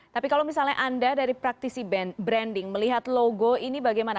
tapi kalau misalnya anda dari praktisi branding melihat logo ini bagaimana